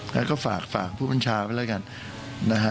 แล้วก็ฝากผู้บัญชาไปแล้วกัน